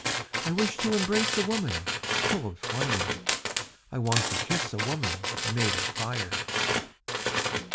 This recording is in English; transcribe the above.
I wish to embrace a woman full of flame, I want to kiss a woman made of fire.